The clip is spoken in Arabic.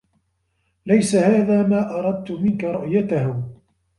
ليس هذا ما أردت منك رؤيته.